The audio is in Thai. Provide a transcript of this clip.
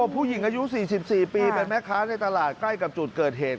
ผู้หญิงอายุ๔๔ปีเป็นแม่ค้าในตลาดใกล้กับจุดเกิดเหตุ